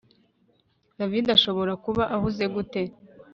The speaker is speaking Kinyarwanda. David ashobora kuba ahuze gute